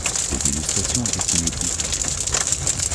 Ses illustrations étaient signées Beek.